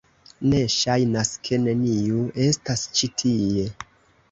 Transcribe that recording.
Ne, ŝajnas ke neniu estas ĉi tie.